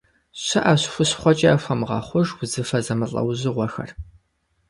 Щыӏэщ хущхъуэкӏэ яхуэмыгъэхъуж узыфэ зэмылӏэужьыгъуэхэр.